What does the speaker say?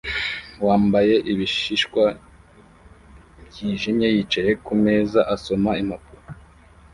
wambaye ibishishwa byijimye yicaye kumeza asoma impapuro